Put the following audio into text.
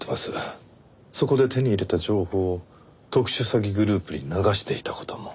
そこで手に入れた情報を特殊詐欺グループに流していた事も。